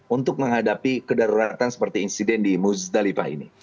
untuk menghadapi kedaruratan seperti insiden di muzdalifah ini